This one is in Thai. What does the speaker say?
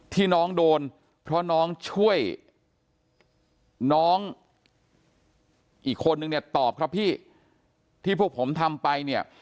ที่น้องโดนเพราะน้องช่วยน้องอีกคนนึงเนี่ยตอบครับพี่ที่พวกผมทำไปเนี่ย